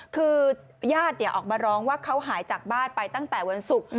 คือญาติออกมาร้องว่าเขาหายจากบ้านไปตั้งแต่วันศุกร์